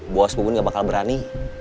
bos bungun gak bakal berani